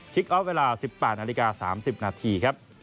คิกออฟเวลา๑๘นาฬิกา๓๐นาที